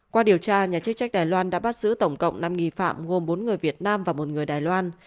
qua điều tra nhà chức trách đài loan đã bắt giữ tổng cộng năm nghi phạm gồm bốn người việt nam và một người đài loan